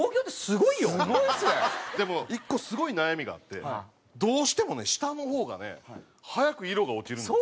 でも１個すごい悩みがあってどうしてもね下の方がね早く色が落ちるんです。